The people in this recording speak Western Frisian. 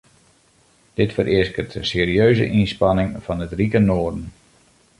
Dit fereasket in serieuze ynspanning fan it rike noarden.